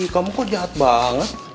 kamu kok jahat banget